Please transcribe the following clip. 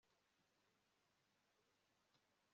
ibikorwaremezo nabantu benshi cyane